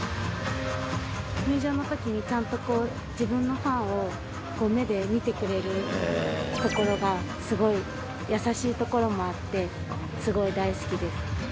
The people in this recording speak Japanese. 入場の時にちゃんとこう自分のファンを目で見てくれるところがすごい優しいところもあってすごい大好きです。